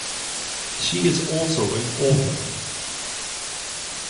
She is also an author.